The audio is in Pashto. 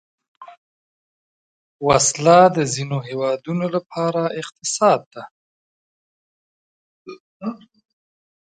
وسله د ځینو هیوادونو لپاره اقتصاد ده